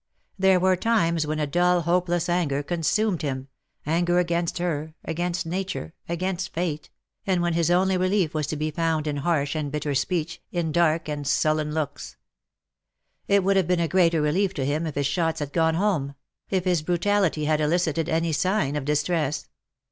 There were times when a dull hopeless anger consumed him — auger against her — against Nature — against Fate — and when his onty relief was to be found in harsh and bitter speech, in dark and sullen looks. It would have been a greater relief to him if his shots had gone home — if his brutality had elicited any sign of distress.